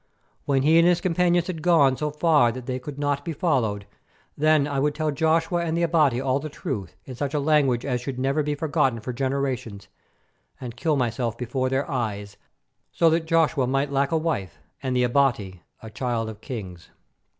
When he and his companions had gone so far that they could not be followed, then I would tell Joshua and the Abati all the truth in such language as should never be forgotten for generations, and kill myself before their eyes, so that Joshua might lack a wife and the Abati a Child of Kings.